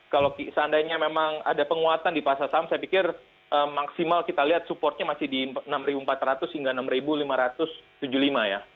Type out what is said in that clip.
kalau seandainya memang ada penguatan di pasar saham saya pikir maksimal kita lihat supportnya masih di enam empat ratus hingga enam lima ratus tujuh puluh lima ya